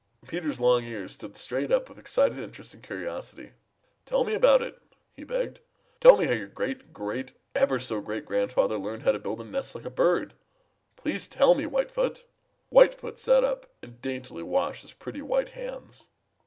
Peter's long ears stood straight up with excited interest and curiosity. "Tell me about it!" he begged. "Tell me how your great great ever so great grandfather learned how to build a nest like a bird. Please tell me, White foot." Whitefoot sat up and daintily washed his pretty white hands.